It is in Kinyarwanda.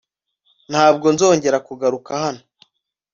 Ntabwo nzongera kugaruka hano